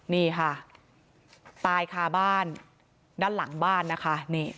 นี่ค่ะตายคาบ้านด้านหลังบ้านนะคะ